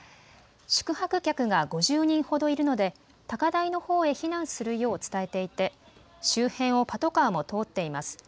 宿泊客が５０人ほどいるので高台のほうへ避難するよう伝えていて周辺をパトカーも通っています。